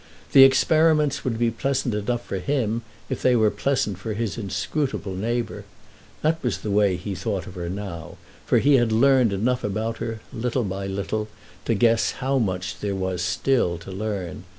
The experiments would be pleasant enough for him if they were pleasant for his inscrutable neighbour. That was the way he thought of her now, for he had learned enough about her, little by little, to guess how much there was still to learn.